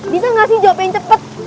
bisa gak sih jawab yang cepet